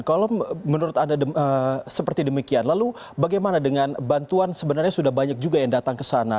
kalau menurut anda seperti demikian lalu bagaimana dengan bantuan sebenarnya sudah banyak juga yang datang ke sana